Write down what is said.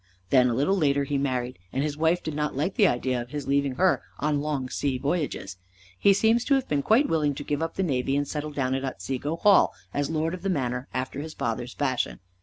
Then a little later he married, and his wife did not like the idea of his leaving her on long sea voyages. He seems to have been quite willing to give up the navy, and settle down at Otsego Hall as lord of the manor after his father's fashion.